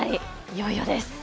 いよいよです。